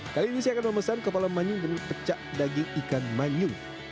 kali ini saya akan memesan kepala manyu dengan pecah daging ikan manyu